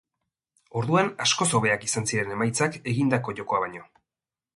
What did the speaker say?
Orduan askoz hobeak izan ziren emaitzak egindako jokoa baino.